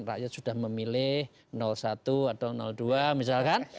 rakyat sudah memilih satu atau dua misalkan